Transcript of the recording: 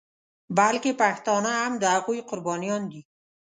بلکې پښتانه هم د هغوی قربانیان دي.